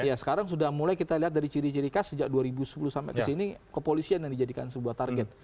ya sekarang sudah mulai kita lihat dari ciri ciri khas sejak dua ribu sepuluh sampai ke sini kepolisian yang dijadikan sebuah target